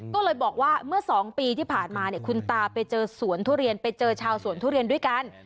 ก็เลยบอกว่าเมื่อ๒ปีที่ผ่านมาเนี่ยคุณตาไปเจอสวนทุเรียนไปเจอชาวสวนทุเรียนด้วยกัน